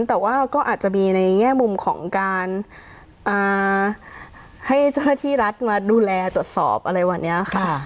แต่ว่าก็อาจจะมีในแง่มุมของการให้เจ้าหน้าที่รัฐมาดูแลตรวจสอบอะไรวันนี้ค่ะ